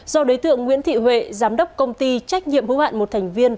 do đối tượng nguyễn thị huệ giám đốc công ty trách nhiệm hữu hạn một thành viên